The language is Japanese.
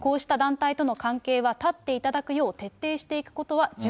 こうした団体との関係は断っていただくよう説明していくことは重